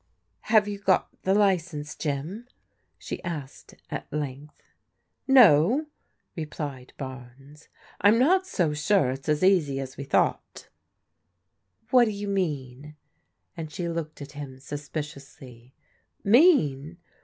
" Have you got the license, Jim? " she asked at length. *' No," replied Barnes, " I'm not so sure it's as easy as we thought" "What do you mean?" and she looked at him sus piciously. " Mean?